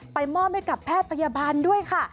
มอบให้กับแพทย์พยาบาลด้วยค่ะ